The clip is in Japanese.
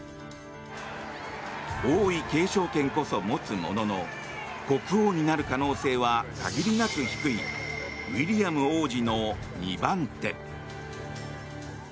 王位継承権こそ持つものの国王になる可能性は限りなく低いウィリアム王子の２番手。